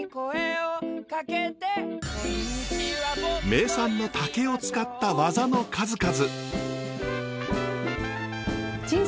名産の竹を使った技の数々。